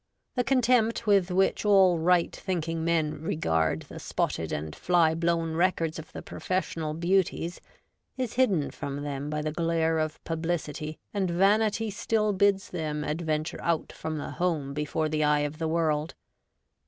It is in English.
The contempt with which all right thinking men regard the spotted and fly blown records of the Professional Beauties is hidden from them by the glare of publicity, and vanity still bids them adventure out from the home before the eye of the world.